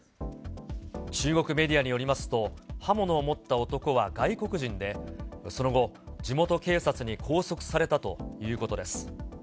中国メディアによりますと、刃物を持った男は外国人で、その後、地元警察に拘束されたということです。